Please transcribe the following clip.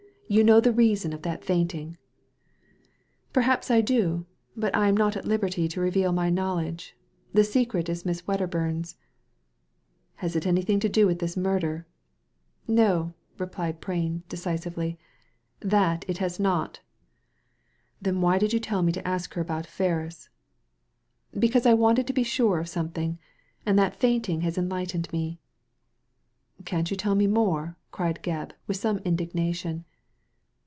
"You know the reason of that fainting. " Perhaps I do ; but I am not at liberty to reveal my knowledge. The secret is Miss Wedderbum's.'* '* Has it anything to do with this murder ?"" No,'* replied Prain, decisively. "That it has not" " Then why did you tell me to ask her about Ferris?'* "Because I wanted to be sure of something; and that fainting has enlightened me." " Can't you tell me more ?" cried Gebb, with some indignation.